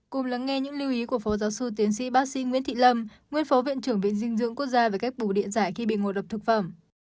cùng lắng nghe những lưu ý của phó giáo sư tiến sĩ bác sĩ nguyễn thị lâm nguyên phó viện trưởng viện dinh dưỡng quốc gia về cách bù điện giải khi bị ngộ độc thực phẩm